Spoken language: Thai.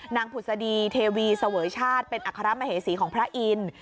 ผุศดีเทวีเสวยชาติเป็นอัครมเหสีของพระอินทร์